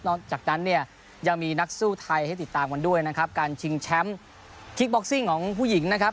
จากนั้นเนี่ยยังมีนักสู้ไทยให้ติดตามกันด้วยนะครับการชิงแชมป์คิกบ็อกซิ่งของผู้หญิงนะครับ